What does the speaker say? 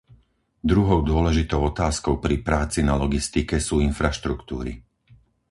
Druhou dôležitou otázkou pri práci na logistike sú infraštruktúry.